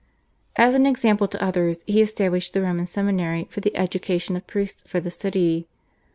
As an example to others he established the Roman Seminary for the education of priests for the city.